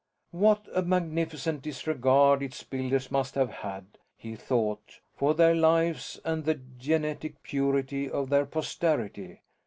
What a magnificent disregard its builders must have had, he thought, for their lives and the genetic purity of their posterity!